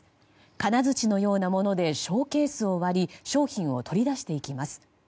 金づちのようなものでショーケースを割り商品を取り出していきます。